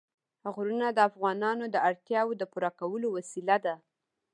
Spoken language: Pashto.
غرونه د افغانانو د اړتیاوو د پوره کولو وسیله ده.